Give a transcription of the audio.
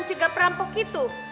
mas enggak perampok itu